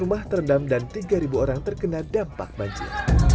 empat ratus rumah terendam dan tiga ribu orang terkena dampak banjir